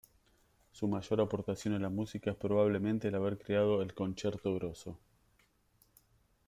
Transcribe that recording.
Su mayor aportación a la música es probablemente el haber creado el concerto grosso.